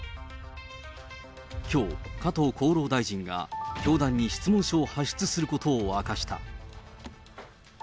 きょう、加藤厚労大臣が教団に質問書を発出することを明かした。